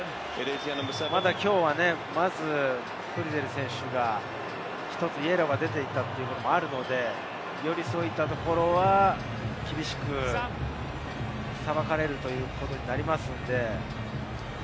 きょうはフリゼル選手が１つ、イエローが出ていたということもあるので、より、そういったところは厳しく裁かれることになりますので。